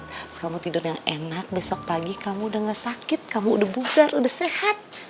terus kamu tidur yang enak besok pagi kamu udah gak sakit kamu udah bubar udah sehat